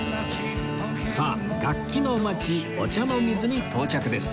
さあ楽器の街お茶の水に到着です